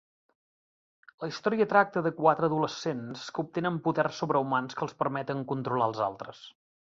La història tracta de quatre adolescents que obtenen poders sobrehumans que els permeten controlar els altres.